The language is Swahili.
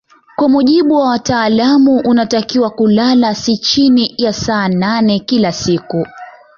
Kwa mujibu wa wataalamu unatakiwa kulala si chini ya saa nane kila siku